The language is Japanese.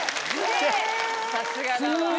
さすがだわ。